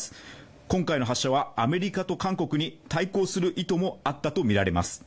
今回の発射はアメリカと韓国に対抗する意図もあったとみられます。